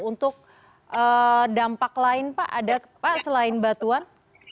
untuk dampak lain pak ada pak selain batuan